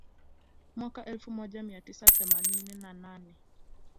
Mwaka elfu moja mia tisa themanini na nane